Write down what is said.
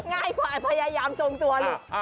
ง่ายกว่าพยายามทรงตัวลูก